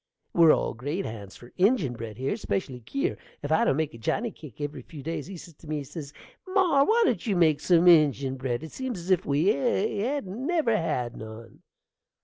We're all great hands for injin bread here, 'specially Kier. If I don't make a johnny cake every few days he says to me, says he, "Mar, why don't you make some injin bread? it seems as if we hadn't never had none."